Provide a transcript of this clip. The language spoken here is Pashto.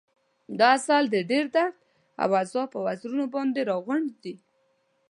دا عسل د ډېر درد او عذاب پر وزرونو باندې راغونډ دی.